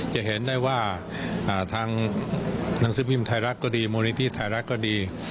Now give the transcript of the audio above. จะเห็นได้ว่าทางหนังสือพิมพ์ไทยรัฐก็ดีมูลนิธิไทยรัฐก็ดี